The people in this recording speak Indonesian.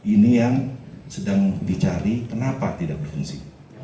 ini yang sedang dicari kenapa tidak berfungsi